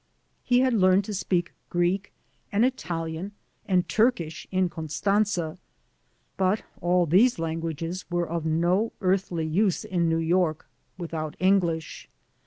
He had learned to speak Greek and Italian and Turkish in Constantza, but all these languages were of no earthly use in New York without English.